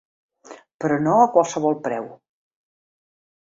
Però no a qualsevol preu.